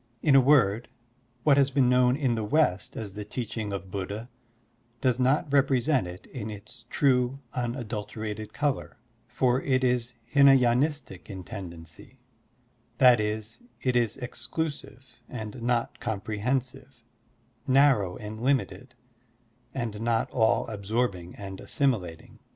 In a word, what has been known in the West as the teaching of Buddha does not represent it in its true, imadulterated color, for it is Htna y^nistic in tendency; that is, it is exclusive and not comprehensive, narrow and limited, and not all absorbing and assimilating.